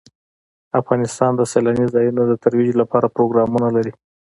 افغانستان د سیلاني ځایونو د ترویج لپاره پروګرامونه لري.